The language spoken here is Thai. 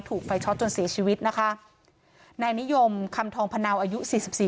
ถูกไฟช็อตจนเสียชีวิตนะคะนายนิยมคำทองพนาวอายุสี่สิบสี่